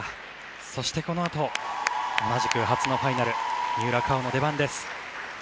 そして、このあと同じく初のファイナル三浦佳生の出番です。